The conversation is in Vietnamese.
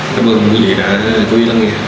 cảm ơn quý vị đã quý lắng nghe